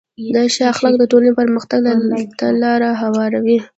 ښه اخلاق د ټولنې پرمختګ ته لاره هواروي.